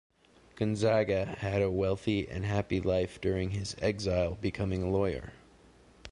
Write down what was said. Gonzaga had a wealthy and happy life during his exile, becoming a lawyer.